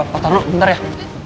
patah dulu bentar ya